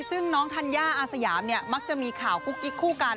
ซึ่งน้องธัญญาอาสยามเนี่ยมักจะมีข่าวกุ๊กกิ๊กคู่กัน